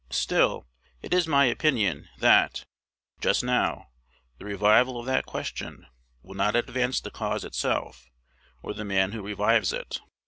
Still, it is my opinion, that, just now, the revival of that question will not _advance the cause itself, or the man who revives it.